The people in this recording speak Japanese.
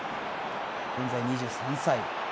現在２３歳。